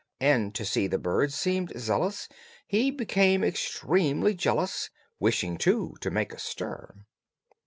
And to see the birds seemed zealous He became extremely jealous, Wishing, too, to make a stir.